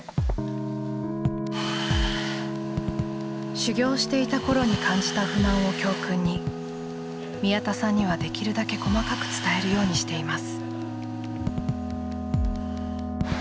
修業していた頃に感じた不満を教訓に宮田さんにはできるだけ細かく伝えるようにしています。